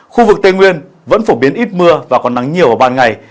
khu vực tây nguyên vẫn phổ biến ít mưa và còn nắng nhiều vào ban ngày